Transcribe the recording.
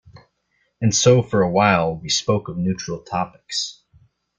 And so for a while we spoke of neutral topics.